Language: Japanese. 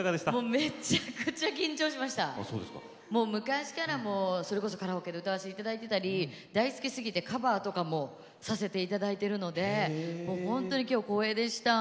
めちゃくちゃ緊張しました昔からそれこそカラオケで歌わせていただいたり大好きすぎてカバーとかもさせていただいてるのできょう光栄でした。